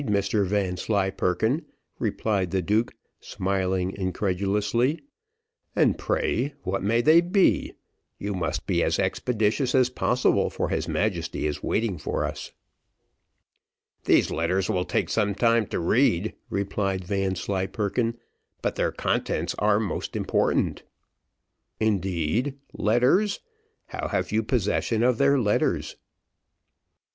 Mr Vanslyperken," replied the duke, smiling incredulously, "and pray what may they be? you must be as expeditious as possible, for his Majesty is waiting for us." "These letters will take some time to read," replied Vanslyperken; "but their contents are most important." "Indeed, letters how have you possession of their letters?"